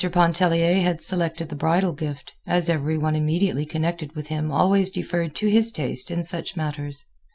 Pontellier had selected the bridal gift, as every one immediately connected with him always deferred to his taste in such matters.